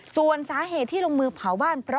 ส่วนสาเหตุที่ลงมือเผาบ้านเพราะ